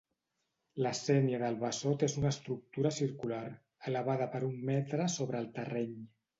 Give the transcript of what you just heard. La sénia del Bassot és una estructura circular, elevada per un metre sobre el terreny.